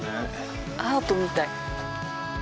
アートみたい。